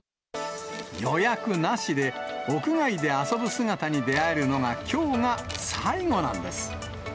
予約なしで、屋外で遊ぶ姿に出会えるのがきょうが最後なんです。